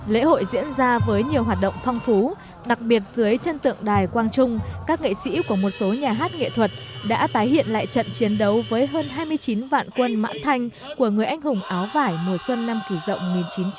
lễ hội diễn ra với nhiều hoạt động phong phú đặc biệt dưới chân tượng đài quang trung các nghệ sĩ của một số nhà hát nghệ thuật đã tái hiện lại trận chiến đấu với hơn hai mươi chín vạn quân mãn thanh của người anh hùng áo vải mùa xuân năm kỳ rộng một nghìn chín trăm bảy mươi